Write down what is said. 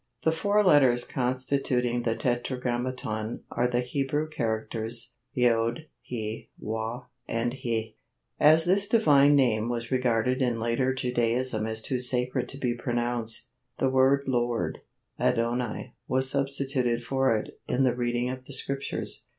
The four letters constituting the Tetragrammaton are the Hebrew characters yôdh, hê, wâw and hê, יהוה. As this divine name was regarded in later Judaism as too sacred to be pronounced, the word lord, adonai, was substituted for it in the reading of the Scriptures.